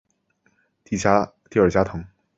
蒂尔加滕。